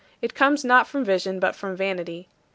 It comes not from vision but from vanity.